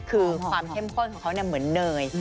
คือความเข้มข้นของเขาเหมือนเนย